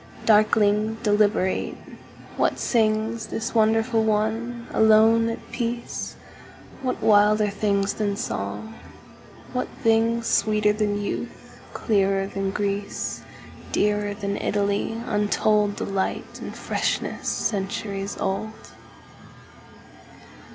Darkling, deliberate, what singsThis wonderful one, alone, at peace? What wilder things than song, what thingsSweeter than youth, clearer than Greece, Dearer than Italy, untoldDelight, and freshness centuries old?